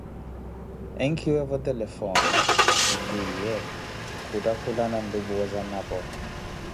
Enkiweevo telefone ti twiiye, khuttakhukana nlupuwe zanapo.